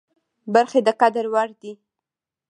برخې د قدر وړ دي.